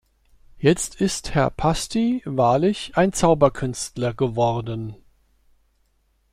Jetzt ist Herr Pasty wahrlich ein Zauberkünstler geworden!